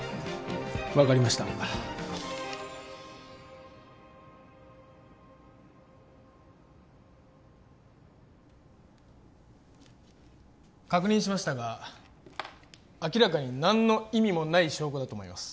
分かりました確認しましたが明らかに何の意味もない証拠だと思います